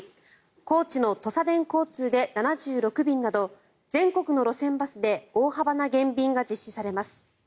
高知のとさでん交通で７６便など全国の路線バスで大幅な減便が実施されます。